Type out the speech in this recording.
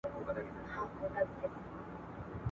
نن لا د مُغان ډکه پیاله یمه تشېږمه